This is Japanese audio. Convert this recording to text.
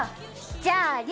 じゃあ、亮！